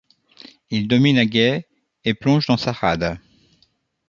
Il domine Agay et plonge dans sa rade.